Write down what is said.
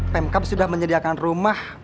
pemkap sudah menyediakan rumah